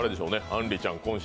あんりちゃんこん